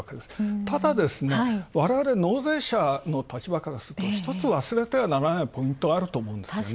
ただ、われわれ、納税者の立場からするとひとつ忘れてはならないポイントがあると思います。